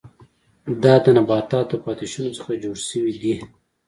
دا د نباتاتو د پاتې شونو څخه جوړ شوي دي.